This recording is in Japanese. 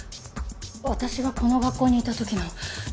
私がこの学校にいた時の先輩で。